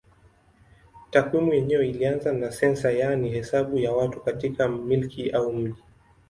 Takwimu yenyewe ilianza na sensa yaani hesabu ya watu katika milki au mji.